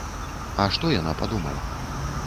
А што яна падумала?